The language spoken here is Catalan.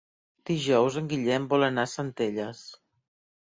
Dijous en Guillem vol anar a Centelles.